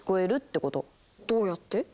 どうやって？